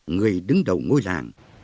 người đứng đầu ngôi làng